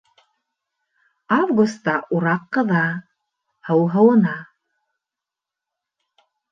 Августа ураҡ ҡыҙа, һыу һыуына.